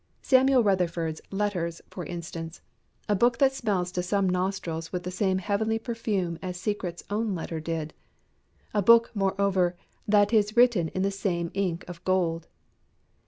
Samuel Rutherford's Letters, for instance; a book that smells to some nostrils with the same heavenly perfume as Secret's own letter did. A book, moreover, that is written in the same ink of gold.